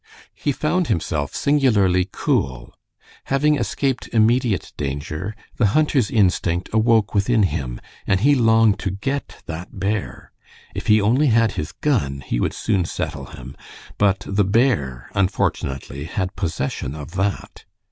He found himself singularly cool. Having escaped immediate danger, the hunter's instinct awoke within him, and he longed to get that bear. If he only had his gun, he would soon settle him, but the bear, unfortunately, had possession of that.